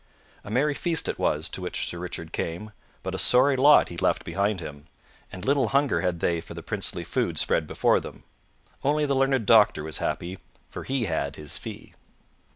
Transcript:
A merry feast it was to which Sir Richard came, but a sorry lot he left behind him, and little hunger had they for the princely food spread before them. Only the learned doctor was happy, for he had his fee.